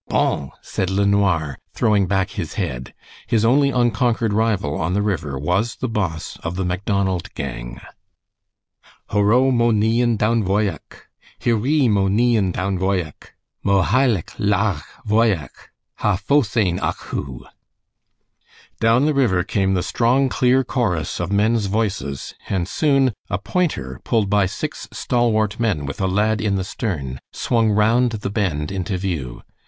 Bon!" said LeNoir, throwing back his head. His only unconquered rival on the river was the boss of the Macdonald gang. Ho ro, mo nighean donn bhoidheach, Hi ri, mo nighean donn bhoidheach, Mo chaileag, laghach, bhoidheach, Cha phosainn ach thu. Down the river came the strong, clear chorus of men's voices, and soon a "pointer" pulled by six stalwart men with a lad in the stern swung round the bend into view.